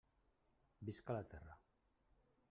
Visca la terra!